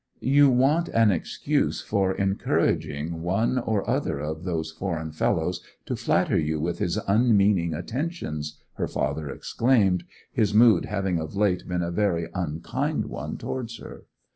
'You want an excuse for encouraging one or other of those foreign fellows to flatter you with his unmeaning attentions,' her father exclaimed, his mood having of late been a very unkind one towards her.